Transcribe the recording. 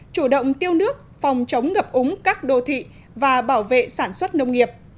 chủ động tiêu nước phòng chống ngập úng các đô thị và bảo vệ sản xuất nông nghiệp